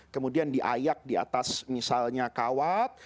kemudian diayak diatas misalnya kawat